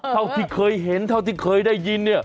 เท่าที่เคยเห็นเท่าที่เคยได้ยินเนี่ย